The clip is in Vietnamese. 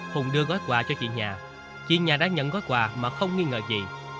hùng đưa gói quà cho chị nhà chị nhà đã nhận gói quà mà không nghi ngờ gì